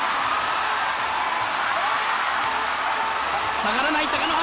下がらない、貴乃花。